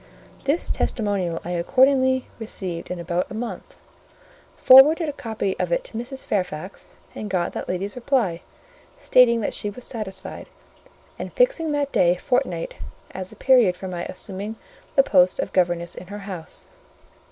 This testimonial I accordingly received in about a month, forwarded a copy of it to Mrs. Fairfax, and got that lady's reply, stating that she was satisfied, and fixing that day fortnight as the period for my assuming the post of governess in her house.